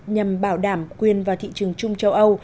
nhằm bảo đảm quyền vào thị trường chung châu âu